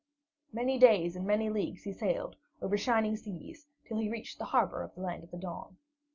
Many days and many leagues he sailed, over shining seas, till he reached the harbor of the Land of the Dawn.